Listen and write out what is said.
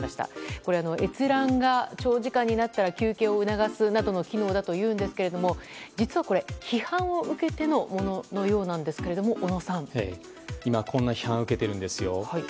これは、閲覧が長時間になったら休憩を促すなどの機能だというんですが実はこれ批判を受けてのもののようなんですが今、こんな批判を受けているんです。